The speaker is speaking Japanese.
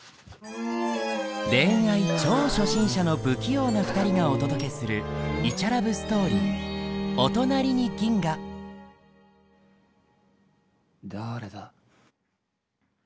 恋愛超初心者の不器用な２人がお届けするイチャラブストーリーだれだ？